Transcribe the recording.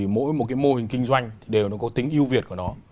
mỗi một mô hình kinh doanh đều có tính yêu việt của nó